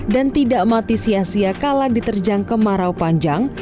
dan tidak mati sia sia kala diterjang ke marau panjang